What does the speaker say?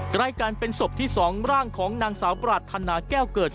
ใกล้กันเป็นศพที่๒ร่างของนางสาวปรารถนาแก้วเกิด